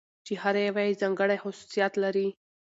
چې هره يوه يې ځانګړى خصوصيات لري .